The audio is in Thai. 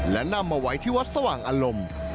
และนำมาไว้ที่วัดสว่างอารมณ์